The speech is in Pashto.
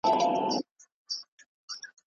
فاتحه اخيستل پښتني دود دی.